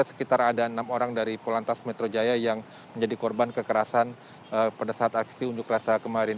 sekitar ada enam orang dari polantas metro jaya yang menjadi korban kekerasan pada saat aksi unjuk rasa kemarin